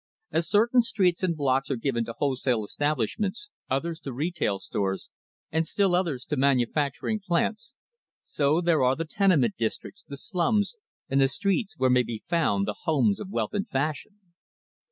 As certain streets and blocks are given to the wholesale establishments, others to retail stores, and still others to the manufacturing plants; so there are the tenement districts, the slums, and the streets where may be found the homes of wealth and fashion.